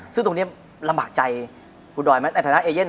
ซึ่งตรงนี้ลำบากใจคุณดอยไหมในฐานะเอเย่น